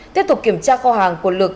tiếp tục kiểm tra kho hàng của lực